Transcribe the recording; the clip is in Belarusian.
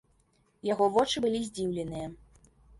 Яго вочы былі здзіўленыя.